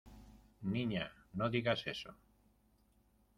¡ niña, no digas eso!...